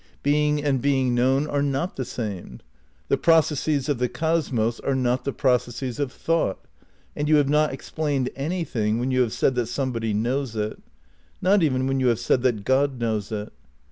Being and being known are not the same. The processes of the cosmos are not the pro cesses of thought, and you have not explained anything when you have said that somebody knows it. Not even when you have said that God knows it.